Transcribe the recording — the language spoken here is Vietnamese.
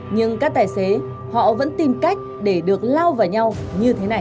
nhưng các tài xế họ vẫn tìm cách để được lao vào nhau như thế này